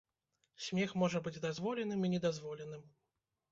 Смех можа быць дазволеным і недазволеным.